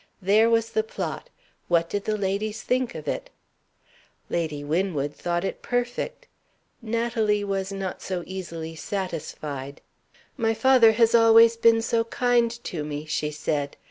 There was the plot. What did the ladies think of it? Lady Winwood thought it perfect. Natalie was not so easily satisfied. "My father has always been so kind to me!" she said.